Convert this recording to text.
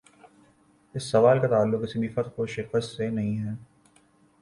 اس سوال کا تعلق کسی کی فتح و شکست سے بھی نہیں ہے۔